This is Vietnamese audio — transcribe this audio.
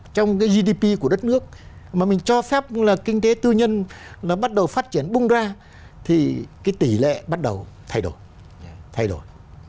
bảy tám chín mươi trong cái gdp của đất nước mà mình cho phép là kinh tế tư nhân nó bắt đầu phát triển bung ra thì cái tỷ lệ bắt đầu thay đổi thay đổi